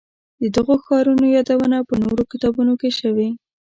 د دغو ښارونو یادونه په نورو کتابونو کې شوې.